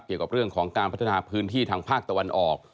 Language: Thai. เกี่ยวกับเรื่องของการพัฒนาพื้นที่ทางภาคตะวันออก